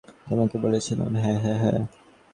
হ্যাঁ, ঐ যে লাইব্রেরীর মহিলাটা, তোমাকে বলেছিলাম।